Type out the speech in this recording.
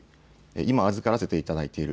今預からせていただいている。